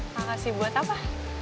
makasih buat apa